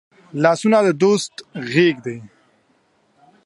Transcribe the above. لاسونه د دوست غېږ دي